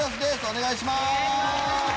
お願いします。